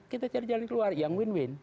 kita cari jalan keluar yang win win